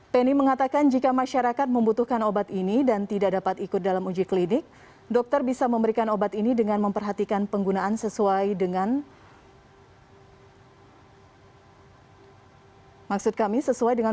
penny mengatakan jika masyarakat membutuhkan obat ini dan tidak dapat ikut dalam uji klinik dokter bisa memberikan obat ini dengan memperhatikan penggunaan sesuai dengan